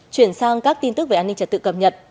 chuyển sang các tin tức về an ninh trật tự cập nhật